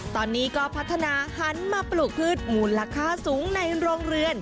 ตอนนี้ก็พัฒนาหันมาปลูกพืชมูลค่าสูงในโรงเรือน